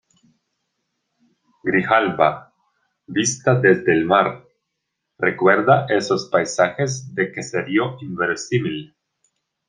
Grijalba, vista desde el mar , recuerda esos paisajes de caserío inverosímil